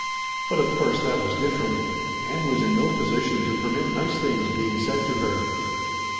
But of course that was different. Ann was in no position to permit nice things being said to her.